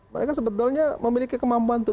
mereka sebetulnya memiliki kemampuan untuk